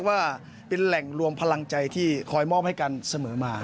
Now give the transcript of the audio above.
ว่าเป็นแหล่งรวมพลังใจที่คอยมอบให้กันเสมอมา